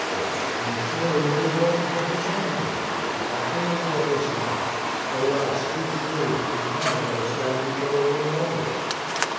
"If that be so, no wrong hp been done thee. But I fail to understand." I "Alas, too true! AYe can understand each other no longer."